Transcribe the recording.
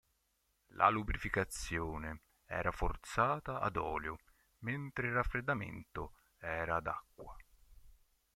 La lubrificazione era forzata ad olio mentre il raffreddamento era ad acqua.